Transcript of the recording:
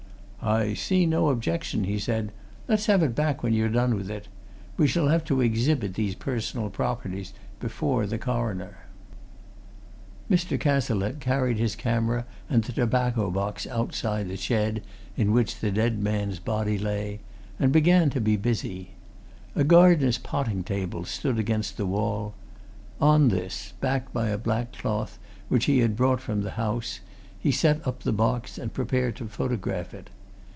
"I see no objection," he said. "Let's have it back when you've done with it. We shall have to exhibit these personal properties before the coroner." Mr. Cazalette carried his camera and the tobacco box outside the shed in which the dead man's body lay and began to be busy. A gardener's potting table stood against the wall; on this, backed by a black cloth which he had brought from the house, he set up the box and prepared to photograph it.